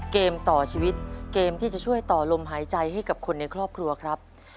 เกมต่อชีวิตเกมที่จะช่วยต่อลมหายใจให้กับคนในครอบครัวครับ